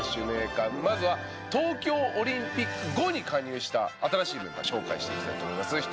名鑑まずは東京オリンピック後に加入した新しいメンバー紹介していきたいと思います。